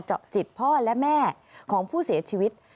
เจาะจิตพ่อและแม่ของผู้เสียชีวิต